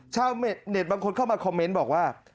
ชาวเน็ตบางคนเข้ามาคอมเมนต์บอกว่า